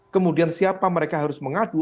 kemudian siapa mereka harus mengadu